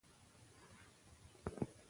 سمه ژباړه د پوهې د خپرېدو لاره ده.